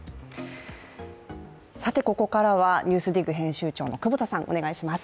ここからは、「ＮＥＷＳＤＩＧ」編集長の久保田さん、お願いします。